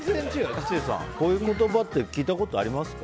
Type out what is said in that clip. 吉瀬さん、こういう言葉って聞いたことありますか？